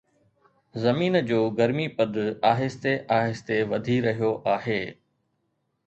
زمين جو گرمي پد آهستي آهستي وڌي رهيو آهي